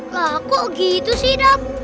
lah kok gitu sih dap